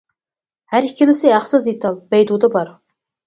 ھەر ئىككىلىسى ھەقسىز دېتال، بەيدۇدا بار.